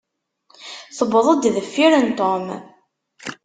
Tewweḍ-d deffir n Tom.